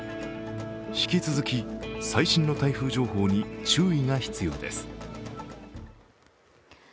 引き続き最新の台風情報に注意が必要です。